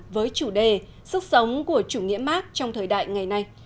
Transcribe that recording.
với chủ đề sức sống của chủ nghĩa mark trong thời đại ngày nay